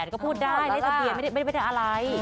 ก็พูดได้เลขทะเบียนไม่ได้อะไร